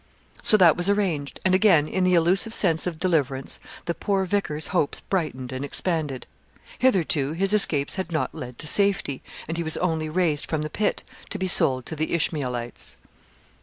So that was arranged; and again in the illusive sense of deliverance, the poor vicar's hopes brightened and expanded. Hitherto his escapes had not led to safety, and he was only raised from the pit to be sold to the Ishmaelites.